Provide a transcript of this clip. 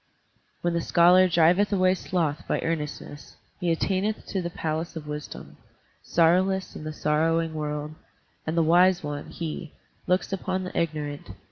"When the scholar driveth away sloth by earnestness, He attaineth to the palace of wisdom, Sorrowless in the sorrowing world, And the wise one, he, looks upon the ignorant.